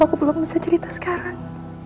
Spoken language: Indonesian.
aku belum bisa cerita sekarang